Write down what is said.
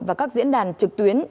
và các diễn đàn trực tuyến